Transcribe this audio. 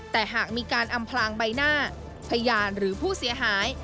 แต่หากมีการอำพลางใบหน้าพยานหรือผู้เสียหาย